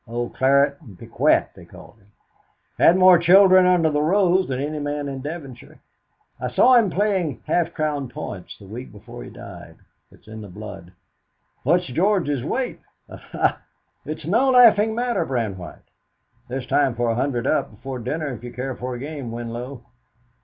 Old 'Claret and Piquet,' they called him; had more children under the rose than any man in Devonshire. I saw him playing half crown points the week before he died. It's in the blood. What's George's weight? ah, ha!" "It's no laughing matter, Brandwhite. There's time for a hundred up before dinner if you care for a game, Winlow?"